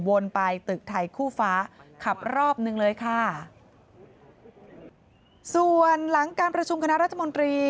ไปตึกไทยคู่ฟ้าขับรอบหนึ่งเลยค่ะส่วนหลังการประชุมคณะรัฐมนตรี